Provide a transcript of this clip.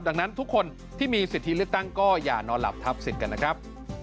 ดังนั้นทุกคนที่มีสิทธิเลือกตั้งก็อย่านอนหลับทับสิทธิ์กันนะครับ